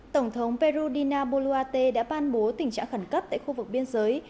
tổng thống peru dina boluate đã ban bố tình trạng khẩn cấp tại khu vực biên giới